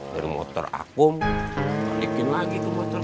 dari motor aku balikin lagi ke motor kamu